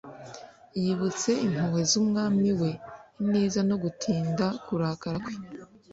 yibutse impuhwe z’umwami we, ineza no gutinda kurakara kwe